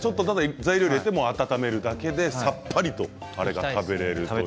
材料入れて温めるだけでさっぱりとあれが食べられます。